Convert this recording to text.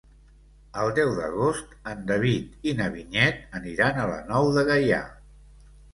El deu d'agost en David i na Vinyet aniran a la Nou de Gaià.